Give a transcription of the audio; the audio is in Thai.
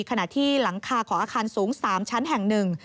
ขณะที่หลังคาของอาคารสูง๓ชั้นแห่งหนึ่ง